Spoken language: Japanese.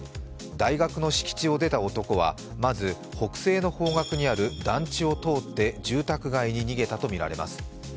大学の敷地を出た男はまず北西の方角にある団地を通って住宅街に逃げたとみられます。